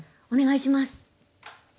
お願いします。